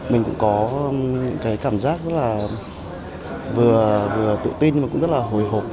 mình cũng có cảm giác rất là vừa tự tin nhưng cũng rất là hồi hộp